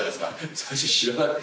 最初知らなくて。